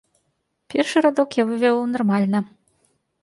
Першы радок я вывеў нармальна.